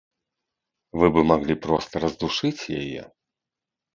Вы бы маглі проста раздушыць яе.